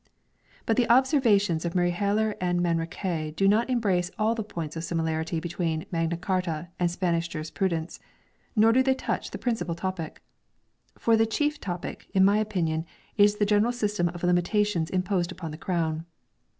2 But the observations of Mariehalar and Manrique do not embrace all the points of similarity between Magna Carta and Spanish jurisprudence, nor do they touch the principal topic. For the chief topic, in my opinion, is the general system of limitations imposed upon the Crown.